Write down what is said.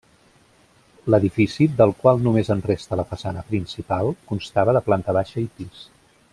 L'edifici, del qual només en resta la façana principal, constava de planta baixa i pis.